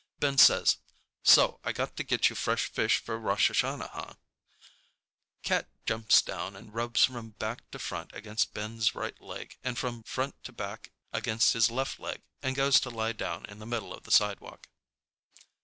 Ben says, "So I got to get you fresh fish for Rosh Hashanah, huh?" Cat jumps down and rubs from back to front against Ben's right leg and from front to back against his left leg and goes to lie down in the middle of the sidewalk.